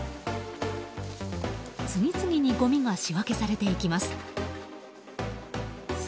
次々にごみが仕分けされていきます。